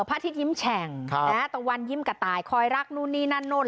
พระอาทิตย์ยิ้มแฉ่งฮะตัววันยิ้มกระต่ายคอยรักโน้นนี้นั่นโน้น